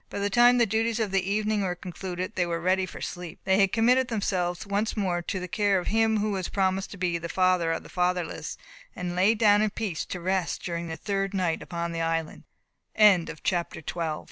By the time the duties of the evening were concluded, they were ready for sleep. They committed themselves once more to the care of Him who has promised to be the Father of the fatherless, and laid down in peace, to rest during their third night upon th